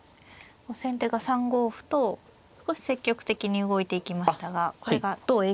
先手が３五歩と少し積極的に動いていきましたがこれがどう影響してくるか。